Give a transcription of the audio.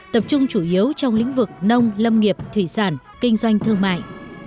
tập trung chủ yếu trong lĩnh vực nông lâm nghiệp thủy sản kinh doanh thương mại